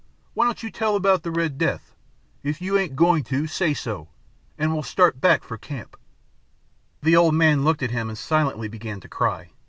Why don't you tell about the Red Death? If you ain't going to, say so, an' we'll start back for camp." The old man looked at him and silently began to cry.